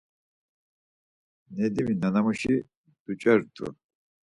Nedimi, nanamuşi ducert̆u.